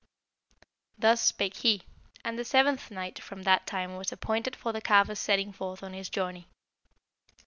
Thus spake he, and the seventh night from that time was appointed for the carver's setting forth on his journey.